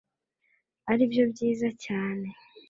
ari byo byiza cyane